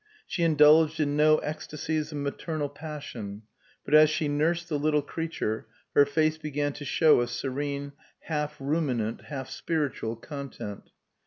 She indulged in no ecstasies of maternal passion; but as she nursed the little creature, her face began to show a serene half ruminant, half spiritual content.